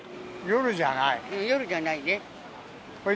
夜じゃないね。